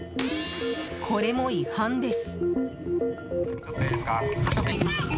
これも違反です。